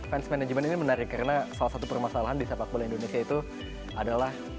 fans management ini menarik karena salah satu permasalahan di sepak bola indonesia itu adalah